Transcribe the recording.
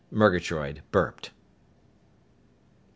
Murgatroyd burped.